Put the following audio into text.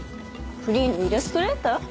フリーのイラストレーター？